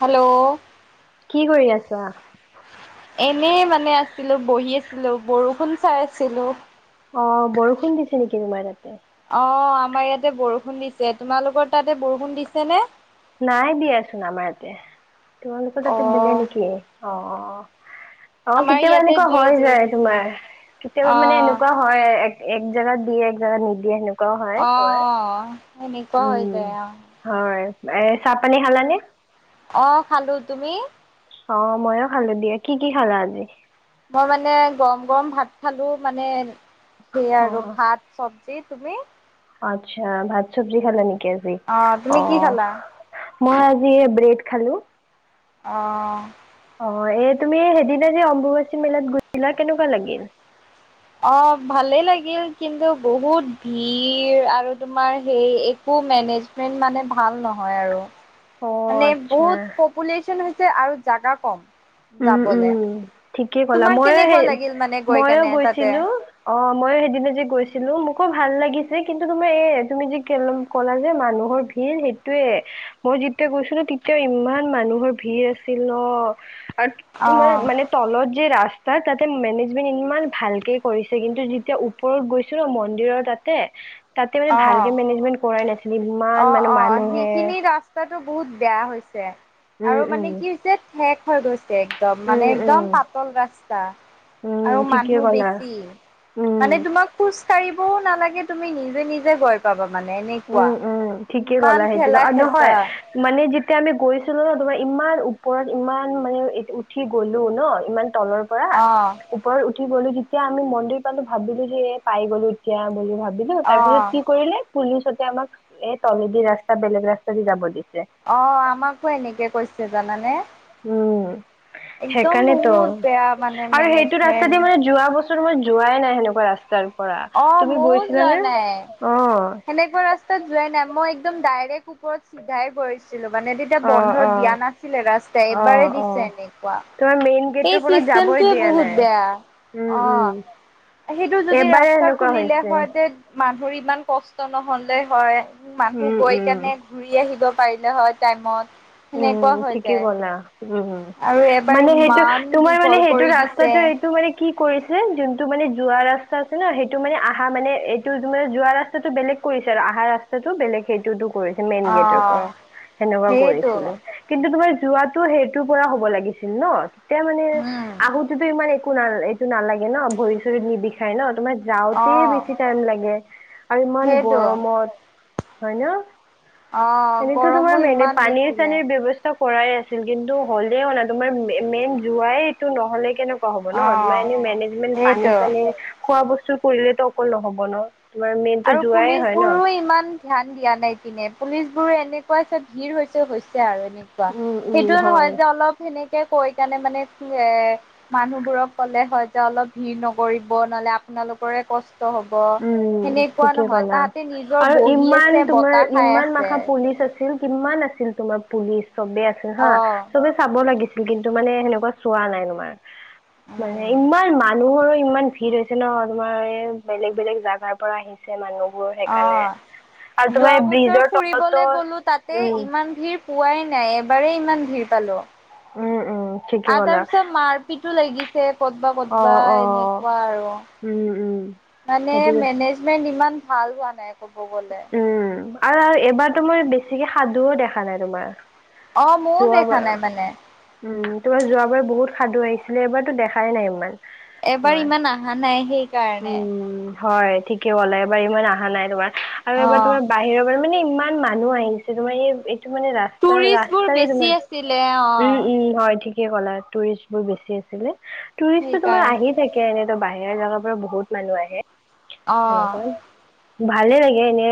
Hello. অ। এনেই মানে আছিলো বহি আছিলো বৰষুণ চাই আছিলো। অ বৰষুণ দিছে নেকি তোমাৰ তাতে। অ আমাৰ ইয়াতে বৰষুণ দিছে তোমালোকৰ তাতে বৰষুণ দিছে নে। নাই দিয়াচোন আমাৰ ইয়াতে তোমালোকৰ অ তাতে দিলে নেকি অ। অ আমাৰ কেতিয়াবা ইয়াতে এনেকুৱা জোৰে হয় জোৰে যায় দিছে তোমাৰ কেতিয়াবা অ মানে এনেকুৱা হয়। এক জেগাত দিয়ে এক জেগা নিদিয়ে সেনেকোৱা। অহ সেনেকোৱা হৈ উম, যায় অহ। হয়। এ চাহ পানী খালানে। অ খালো তুমি। অ ময়ো খালো দিয়া কি কি খালা আজি। মই মানে গৰম গৰম ভাত খালো মানে সে আৰু অ' ভাত চব। যি তুমি। আচ্ছা ভাত চব্জি খালে নেকি আজি। অ তুমি কি খালা? মই আজি ব্ৰেড খালো। অহ। অ এ তুমি সেইদিনা যে অম্বুবাচী মেলাত গৈচিলা কেনেকুৱা লাগিল। অ ভালেই লাগিল কিন্তু বহুত ভিৰ আৰু তোমাৰ সেই একো মেনেজমেণ্ট মানে ভাল নহয় আৰু। অ মানে বহুত আচ্ছা পপুলেশ্যন হৈছে আৰু জাগা কম উম যাবলে। উম ঠিকেই কলা তোমাৰ মইয়ো কেনেকুৱা সেই লাগিল মানে গৈ মইয়ো কেনে তাতে? গৈছিলো অ মইয়ো সেইদিনা যে গৈছিলো মোক। কো ভাল লাগিছে কিন্তু তোমাৰ এ তুমি যি কেল‌ কলা যে মানুহৰ ভিৰ সেইটোয়ে মই যেতিয়া গৈছিলো তেতিয়া ইমান মানুহৰ ভিৰ আছিল ন। আৰু তোমাৰ অ', মানে তলত যে ৰাস্তা তাত তাতে মেনেজমেন্ট ইমান ভালকে কৰিছে কিন্তু যেতিয়া ওপৰত গৈছো ন মন্দিৰৰ তাতে তাতে মানে অ', ভালকে মেনেজমেণ্ট কৰাই নাছিল। অ অ সেইখিনি ৰাস্তাটো বহুত বেয়া হৈছে। উম আৰু উম মানে কি হৈছে ঠেক হৈ গৈছে একদম মানে উম উম একদম পাতল ৰাস্তা। উম আৰু ঠিকে মানুহ ক'লা বেছি মানে উম তোমাক খোজ কাঢ়িবও নালাগে। তুমি নিজে নিজে গৈ পাবা মানে এনেকুৱা। উ ঠিকে ইমান ক'লা সেইটোত ঠেলা আৰু হেঁচা নহয় মানে যিটো তে আমি গৈছিলো ন তোমাৰ ইমান ওপৰত ইমান মানে উঠি গলো ন ইমান তলৰ পৰা অ', ওপৰত উঠি উ গলো যেতিয়া আমি মন্দিৰ পালো ভাবিলো যে পাই গ'লো এতিয়া বুলি ভাবিল বিলো তাৰ পিছত অ'। কি কৰিলে পুলিচতে আমাক এই তলেদি ৰাস্তা বেলেগ ৰাস্তা দি যাব দিছে। অ আমাকো এনেকে কৈছে জানানে? উম একদম সেইকাৰণেতো বহুত বেয়া মানে আৰু সেইটো ৰাস্তা মেনেজমেন্ট দি মানে যোৱা বছৰ মই যোৱাই নাই সেনেকুৱা ৰাস্তা আৰু- অ মইও যোৱা নাই অ সেনেকুৱা ৰাস্তা তাত যোৱা নাই মই একদম ডাইৰেক্ট ওপৰত চিধাই গৈছো। ছিলো মানে তেতিয়া অ অ বন্ধ দিয়া নাছিলে ৰাস্তাই অ এইবাৰেই দিছে অ এনেকুৱা তোমাৰ মেইন সেই গেটৰ পৰা যাবই চিষ্টেমটোৱে দিয়া বহুত বেয়া নাই উম অ'। উম। সেইটো যদি ৰাস্তা খুলিলে হয় তে মানুহৰ ইমান কষ্ট নহলে হয়। উ মানুহ উম গৈ উম। কেনে ঘূৰি আহিব পাৰিলে হয় টাইমত উম সেনেকুৱা হৈ ঠিকেই যায় কলা উম উম আৰু এবাৰ মানে সেইটো ইমান তোমাৰ মানে দীঘল সেইটো কৰি দিছে। ৰাস্তাতে সেইটো মানে কি কৰিছিল যোনটো মানে যোৱা ৰাস্তা আছে ন সেইটো মানে অহা মানে এইটো তোমাৰ যোৱা ৰাস্তাটো বেলেগ কৰি ছে আহা ৰাস্তাটো বেলেগ সেইটোটো কৰিছে মেইন গেটৰ অ' পৰা সেনেকুৱা সেইটো কৰিছিলো কিন্তু তোমাৰ যোৱাতো সেইটোৰ পৰা হ'ব লাগিছিল ন তেতিয়া মানে উম। আহোতেতো ইমান একো নাল এইটো নালাগে ন ভৰি চৰিত নিবিষাই ন তোমাৰ যাওঁতে অ' বেছি টাইম লাগে আৰু ইমান সেইটো গৰমত হয় ন অ' এনেতো গৰমো তোমাৰ মেনে ইমান পানীৰ দিছিলে চানীৰ ব্যৱস্থা কৰাই আছিল কিন্তু হ'লে অনা তোমাৰ মেইন যোৱাইটো নহ'লে কেনেকুৱা হব ন তোমাৰ অ' এনে মেনেজমেন্ট পানী সেইটো। চানী খোৱা বস্তু কৰিলে তো অকল নহব ন তোমাৰ মেইনটো আৰু যোৱাই পুলিচ হয় ন বোৰো ইমান ধ্যান দিয়া নাই পিনে পুলিচ বোৰৰে এনেকুৱা চব ভিৰ হৈছে হৈছে আৰু এনেকুৱা উম উম সেইটোও হয় নহয় যে অলপ সেনে কৈ কাৰণে মানে কি এ মানুহবোৰক ক'লে হয় যে অলপ ভিৰ নকৰিব নহলে আপু আপোনালোকৰে কষ্ট হ'ব। উম সেনেকুৱা ঠিকে নহয় কলা তাহাঁতে নিজৰ আৰু বহি ইমান আছে তোমাৰ বতাহ খাই ইমান আছে মাখা পুলিচ আছিল। কিমান আছিল তোমাৰ পুলিচ চবে আছিল হা অ চবে চাব লাগিছিল কিন্তু মানে সেনেকুৱা চোৱা নাই তোমাৰ মানে উম ইমান মানুহৰ ইমান ভিৰ হৈছে ন তোমাৰ এই বেলেগ বেলেগ জাগাৰ পৰা আহিছে মানুহ অ যোৱা বছৰ ব্ৰিজৰ তলতো ফুৰিবলে গলো তাতে উম ইমান ভিৰ পোৱাই নাই এবাৰেই ইমান ভিৰ পালোঁ উম উম ঠিকে আৰু তাৰ ক'লা পিছত মাৰপিটো লাগিছে কতবা অ ক'তবা অ এনেকুৱা আৰু উম উম মানে সেইটোৱে মেনেজমেন্ট ইমান ভাল হোৱা নাই ক'ব গ'লে। উম আৰু এবাৰ তো মই বেছিকে সাধুও দেখা নাই তোমাৰ। অ' ময়ো যোৱ দেখা বাৰ নাই মানে উম তোমাৰ যোৱাবাৰ বহুত সাধু আহিছিলে এইবাৰতো দেখাই নাই ইমান এবাৰ তোমাৰ ইমান অহা নাই সেইকাৰণে উম হয় ঠিকেই হলে এইবাৰ ইমান অহা নাই তোমাৰ আৰু এবাৰ অ' তোমাৰ বাহিৰৰ পৰা মানে ইমান। ইমান মানুহ আহিছে তোমাৰ এই ত মানে ৰাস্তা টুৰিষ্ট বোৰ ৰাস্তাৰে বেছি তোমাৰ আছিলে উম অ' উম হয় ঠিকে কলা টুৰিষ্ট বোৰ বেছি আছিলে টুৰিষ্টো তোমাৰ সেইকাৰণে। আহি থাকে এনে বাহিৰৰ জেগাৰ পৰা বহুত মানুহ আহে অ সেনেকুৱা ভালে লাগে এনে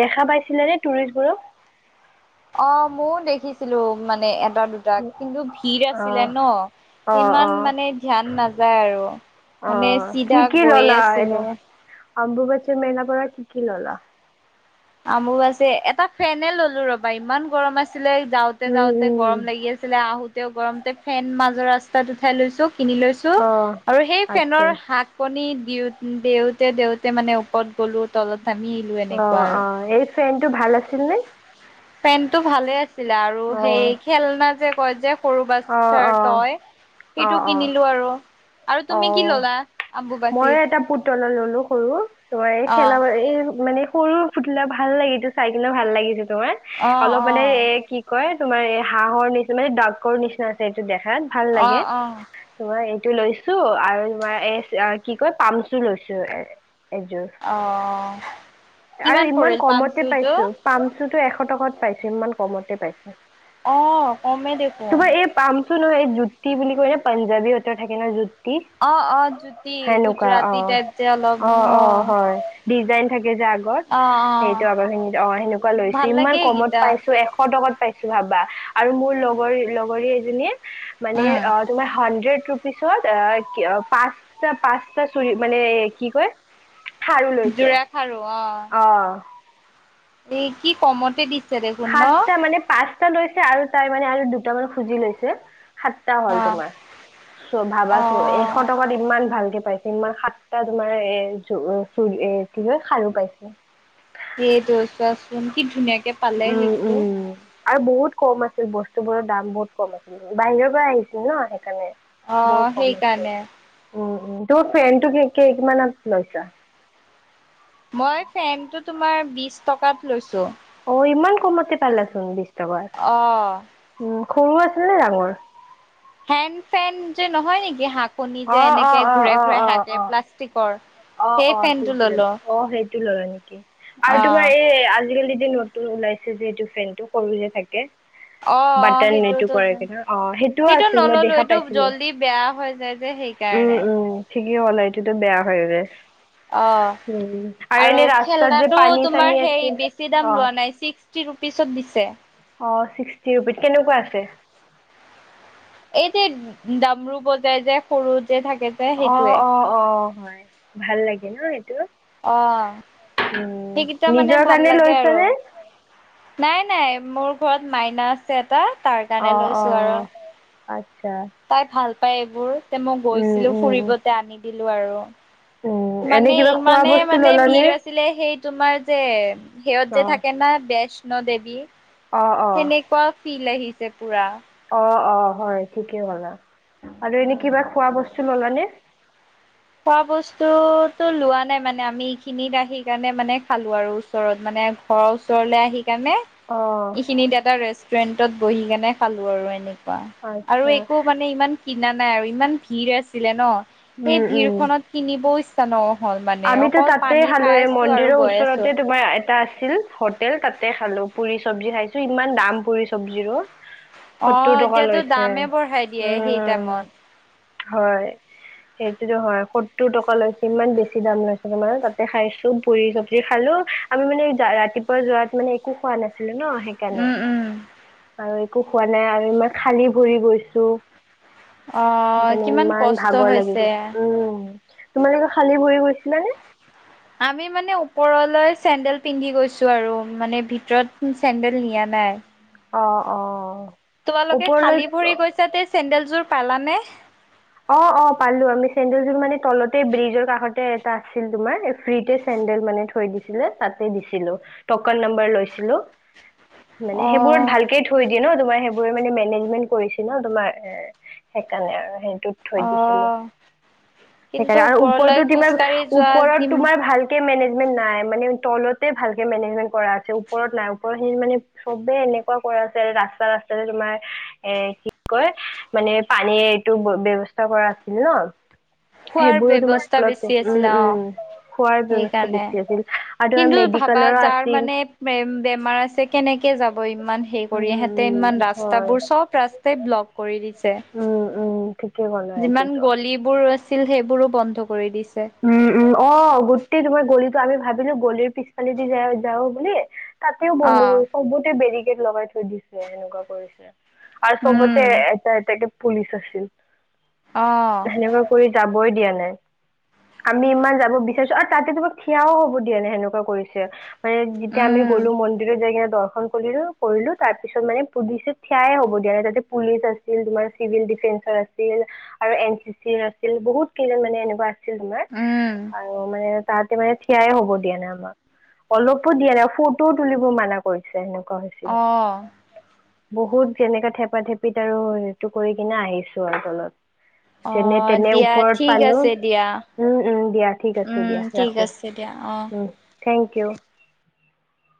দেখা পাইছিলে নে টুৰিষ্টবোৰক অ ময়ও দেখিছিলো মানে এটা দুটাক কিন্তু ভিৰ আছিলে ন অ অ অ ইমান মানে ধ্যান নাযায় আৰু অ মানে চিধা গৈয়ে আছিলো। অম্বুবাচীৰ মেলা পৰা কি কি ল'লা? অম্বুবাচীত এটা ফেনে ললো ৰবা ইমান গৰম আ ছিলে যাওঁতে উম যাওঁতে গৰম উম লাগি আছিলে, আহোতেও গৰমতে ফেন মাজৰ ৰাস্তাত উঠাই লৈছো, কিনি লৈছো অ আৰু সেই ফেনৰ আচ্ছা হাতখনিত দিও দেওতে দেওতে মানে ওপৰত গ'লো তলত নামি আহিলো এনেকোৱা আৰু। ফেনটো ভাল আছিল নে? ফেনটো ভালে আছিলে। আৰু অ সেই খেলনা যে কয় যে সৰু অ বাচ্ছাৰ অ টয় অ সেইটো অ কিনিলো আৰু। আৰু অ তুমি কি ললা আম্বুবাচীত? টয় এই অ খেলা এই মানে সৰু পুতলা ভাল লাগে টো চাই কিনে ভাল লাগে তোমাৰ অ অলপ অ মানে এ কি কয় তোমাৰ এই হাঁহৰ নিচিনা মানে ডাকৰ নিচিনা আছে এইটো দেখা ত ভাল অ লাগে অ তোমাৰ এইটো লৈ ছো আৰু তোমাৰ এই কি কয় পামচো লৈছো এ এযোৰ অ। আৰু কিমান ইমান পৰিল কমতে পামচুৰটো পাইছো পামচুটো এশ টকাত পাইছো, ইমান কমতে পাইছো। অ কমেই দেখোন। তোমাৰ এই পামচু নহয় এই জুতি বুলি কয় এ পাঞ্জাৱী হঁতৰ থাকে ন জু তি অ', অ', জ্যোতি সেনেকোৱা অ, গুজৰাটী টাইপ যে অলপ অ অ হয় ডিযাইন ত অ', সেইটো অ'। আগৰ খিনিত অ সেনেকোৱা লৈছো, ভাল ইমান লাগে কমত এইকেইটা পাইছো এশ টকাত পাইছো ভাবা। আৰু মোৰ লগৰ লগৰী এজনী মানে উম, অ তোমাৰ হাণ্ড্ৰেড ৰূপিছত আহ পাচটা পাচটা চুৰি মানে, কি কয় জোৰা খাৰু অ। অহ। এই কি কমতে দি সাতটা মানে পাচটা লৈছে আৰু তাই মানে আৰু দুটা বাৰু খুজি লৈছে। সাতটা হ'ল অ', তোমাৰ চ ভাবাচোন, এশ অ'। টকাত ইমান ভালকে পাইছে ইমান সাতটা তোমাৰ এ চু এ কি হয় খাৰু পাইছে। সেইটো চোৱাচোন কি ধুনীয়াকে পালে উম সেইটো উম আৰু বহুত কম আছিল বস্তু বোৰৰ দাম বহুত কম আছিল, বাহিৰৰ পৰা আহিছিল ন সেইকাৰণে। বৰ অ', কম আছে। সেইকাৰণে। উম উম, তোৰ ফেনটো কেই কিমানত লৈছা? মই ফেনটো তোমাৰ বিশ টকাত লৈছো। অ ইমান কমতে পালাচোন বিশ টকাত অ। উম সৰু আছিল নে ডাঙৰ? হেণ্ড ফেন যে নহয় নেকি হাত খনি অ যে অ এনেকে ঘূৰাই-ঘুৰাই হাতে, প্লাষ্টিকৰ। অ'-অ' সেই ফেনটো ললো [unintelligible] অ', সেইটো ললা নেকি? আৰু অ'। তোমাৰ এই আজিকালি নতুন ওলাইছে যিহটো ফেনটো সৰু যে থাকে? অ'- অ', বাটন এইটো কৰে কিনে অঁ সেইটোও সেইটোতো-সেইটো আছিল মই নললো, দেখা সেইটো পাইছিলোঁ জলদি বেয়া হৈ যায় যে সেইকাৰণে। ঠিক কলা সেইটোতো বেয়া হৈ যায়। অ', উম আৰু এনেই ৰাস্তাত যে খেলনাটো পানী চানী তোমাৰ সেই আছিল বেছি দাম অঁ লোৱা নাই, চিক্স টি ৰূপিচত দিছে। অ', ছিক্সটি ৰূপিচ, কেনেকুৱা আছে? এই যে দামৰো বজাই যোয় সৰুত অ'-অ'-অ', হয়, ভাল লাগে ন এইটো? অ', উম সেইকেইটা মানে নিজৰ ভাল কাৰণে লাগে আৰু। লৈছানে নাই-নাই, মোৰ ঘৰত মাইনা আছে এটা তাৰ কাৰণে অঁ লৈছো আৰু। অঁ আচ্ছা তাই ভাল পায় এইবোৰ, তে মই উম গৈছিলো উম ফুৰিবতে আনি দিলো আৰু। উম, এনে মানে কিবা খোৱা ইমানে বস্তু মানে ললানে? ভিৰ আছিলে সেই। তোমাৰ যে সেহত যে অ'। থাকে না বৈষ্ণ দেৱী। অ', অ', সেনেকুৱা ফিল আহিছে পুৰা অ অ হয় ঠিকেই হ'লা আৰু এনে উম। কিবা খোৱা বস্তু ললানে খোৱা বস্তুতো লোৱা নাই মানে আমি এইখিনিত সি কাৰণে মানে খালো আৰু ওচৰত মানে। মানে ঘৰৰ ওচৰলৈ আহি সেই কাৰণেই অ', এইখিনিত দটা ৰেষ্টুৰেন্টত বহি কেনে খালো আৰু এনেক আৰু আচ্ছা একো মানে ইমান কিনা নাই আৰু ইমান ভিৰ আছিলে ন উম। উম। ভিৰখনত কিনিব ইচ্ছা ন। আমিতো তাতে খালো এই আৰু মন্দিৰৰ গৈ আছো। ওচৰতে তোমাৰ এটা আ আছিল হোটেল তাতে খালো পুৰি চব্জি খাইছো ইমান দাম পুৰি চব্জিৰো। অ সত্তৰ টকা এতিয়াতো লৈছে দামে বঢ়াই দিয়ে সেই উম টাইমত হয় সেইটোতো হয় সত্তৰ টকা লৈছে ইমান বেছি বেছি দাম লৈছে তোমাৰ তাতে খাইছো পুৰি চব্জি খালো আমি মানে ৰাতিপুৱা যৰাত মানে একো খোৱা নাছিল? ন সেইকাৰণে উম উম আৰু একো হোৱা নাই আৰু ইমান খালী ভৰি গৈছো। অ সেইকাৰণে কিমান ইমান কষ্ট ভাগৰ লাগি হৈছে গৈছে উম তোমালোকে খালি। ফোৰিব গৈছিলা নে। আমি মানে ওপৰলৈ চেন্দেল পিন্ধি গৈছো আৰু মানে ভিতৰত চেন্দেল নিয়াত। নাই। অঁ অঁ তোমালোকে খালী ভৰি গৈছা তে চেন্দেলযোৰ পালানে। অঁ অঁ পালো আমি চেডেল যোৰ মানে তলতে ব্ৰিজৰ কাষতে এটা আছিল তোমাৰ ফ্ৰীতে চে চেন্দেল মানে থৈ দিছিলে তাতে দিছিলো তকেট নাম্বাৰ লৈছিলো? মানে অ সেইবোৰত ভালকে থৈ দি। তোমাৰ সেইবোৰে মানে মেনেজমেন্ কৰি ন তোমাৰ এ সেইকাৰণে আৰু। থৈ অ দিছিলো কিন্তু সেইকাৰণে আৰু ওপৰলৈ ওপৰতো তোমাৰ খোজকাঢ়ি যোৱা ওপৰত দিম তোমাৰ ভাল মেনেজমেণ্ট নাই মানে তলতে ভালকে মেনেজমেট কৰা আছে ওপৰত নাই ওপৰতিনি মানে চবেই। তেনেুৱা কৰা আছে ৰাস্তা ৰাস্তা তোমাৰ এ কি কয় মানে পানীৰ এইটো ব্যৱস্থা। চষ্টা কৰা আছিল ন। খোৱাৰ সেইবোৰো তোমাৰ ব্যৱস্থা তলতে বেছি উম আছিল অঁ উম খোৱাৰ সেই ব্যৱস্থা কাৰণে বেছি আছিল আৰু তোমাৰ কিন্তু ভাবা মেডিকেলৰো যাৰ আছিল মানে বেমাৰ আছে কেনেকে কিয় যাব ইমান। সেই উম কৰি সেঁতে উম ইমান হয় ৰাস্তাবোৰ চব ৰাস্তাই ব্লক কৰি দিছে। উম উম ঠিকে ক'লা যিমান সেইটোতো গলিবোৰ আছিল সেইবোৰো বন্ধ কৰি দিছিল? উম উম অঁ গোটেই তোমাৰ গলি। আমি ভাবিলো গলিৰ পিছফালেদি য যাওঁ বুলি তাতেও অ বন্ধ কৰি চবতে বেৰি লগাই থৈ দিছে সেনেকুৱা কৰিছে আৰু চবতে উম এ। পুলিচ আছিল অ সেনেকুৱা কৰি যাবই দিয়া নাই আমি ইমান যাব বিচাৰিছো আৰু তাতে তোমাক থিয়ও হব দিয়া নে সেনেকুৱা কৰিছে? হয় যেতিয়া আমি উম গলো মন্দিৰৰ যাই দৰ্শন কৰিলো কৰিলো তাৰপিছত মানে পুলিচ থিয়াই হ'ব দিয়া তাতে পুলিচ আছিল তোমাৰ চিভিল আৰু এন চি চি আছিল বহুত কেইজন মানে তোমাৰ উম আৰু মানে। তাতে মানে থিয়াই হ'ব দিয়া নাই আমাক অলপো দিয়া নাই ফটোও তুলিব মানা কৰিছে সেনেক অহ বহুত যেনেকা থেপা থেপিত আৰু সেইটো কৰি কিনে আহিছো আৰু তলত অ যেনে তেনে দিয়া ওপৰত ঠিক পালো। আছে দিয়া উম উম দিয়া ঠিক আছে উম দিয়া ঠিক ৰাখো আছে দিয়া অ উম থেংক ইউ।